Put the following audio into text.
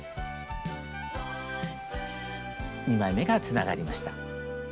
２枚めがつながりました。